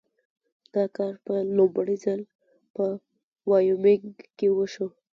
دا کار په لومړي ځل په وایومینګ کې وشو.